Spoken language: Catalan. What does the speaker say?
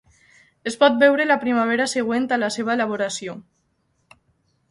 Es pot beure la primavera següent a la seva elaboració.